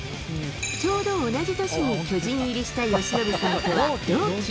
ちょうど同じ年に巨人入りした由伸さんとは同期。